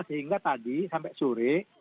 sehingga tadi sampai sore